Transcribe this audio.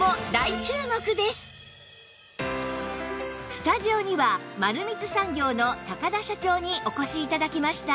スタジオには丸光産業の田社長にお越し頂きました